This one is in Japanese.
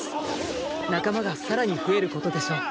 仲間がさらに増えることでしょう。